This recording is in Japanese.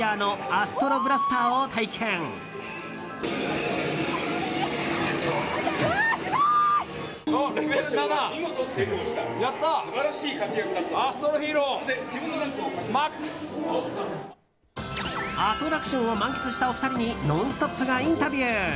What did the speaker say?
アトラクションを満喫したお二人に「ノンストップ！」がインタビュー。